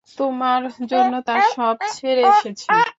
তোমার জন্য তার সব ছেড়ে এসেছি।